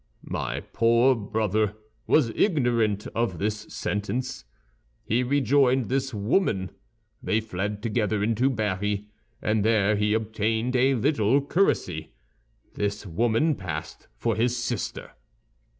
My poor brother was ignorant of this sentence. He rejoined this woman; they fled together into Berry, and there he obtained a little curacy. This woman passed for his sister.